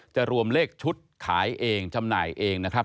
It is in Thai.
จะรวมเลขชุดขายเองจำหน่ายเองนะครับ